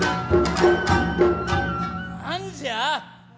何じゃ。